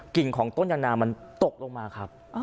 กิ่งของต้นยานะมันตกลงมาครับ